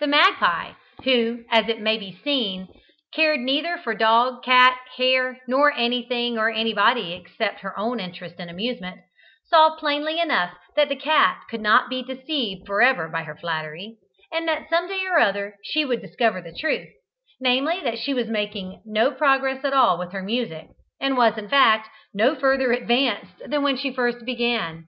The magpie, who, as it may be seen, cared neither for dog, cat, hare, nor for anything nor anybody except her own interest and amusement, saw plainly enough that the cat could not be deceived for ever by her flattery, and that some day or other she would discover the truth, namely that she was making no progress at all with her music, and was in fact no further advanced than when she first began.